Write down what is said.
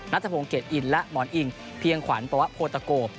นัทธพงศ์เกดอิ่นและหมอนอิ่งเพียงขวัญประวัติโภตโตโก